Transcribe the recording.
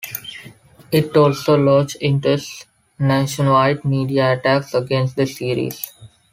It also launched intense nationwide media attacks against the series.